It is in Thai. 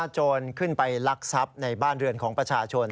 โจรขึ้นไปลักทรัพย์ในบ้านเรือนของประชาชน